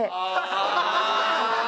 ハハハハ！